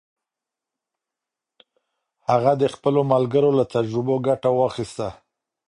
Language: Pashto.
هغه د خپلو ملګرو له تجربو ګټه واخیسته.